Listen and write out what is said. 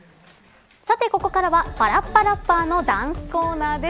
さてここからはパラッパラッパーのダンスコーナーです。